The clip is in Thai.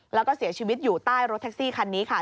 แล้วก็เสียชีวิตอยู่ใต้รถแท็กซี่คันนี้ค่ะ